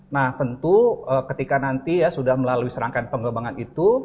nah tentu ketika nanti ya sudah melalui serangkaian pengembangan itu